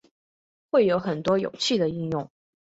会有很多有趣的应用